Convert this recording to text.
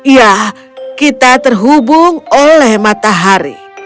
ya kita terhubung oleh matahari